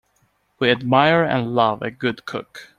We admire and love a good cook.